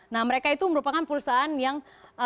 nah mereka itu merupakan perusahaan yang